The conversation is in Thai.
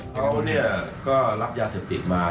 เขาก็รับยาเสพติดมา